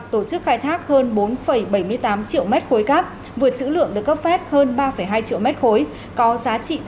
tổ chức khai thác hơn bốn bảy mươi tám triệu mét khối cát vượt chữ lượng được cấp phép hơn ba hai triệu mét khối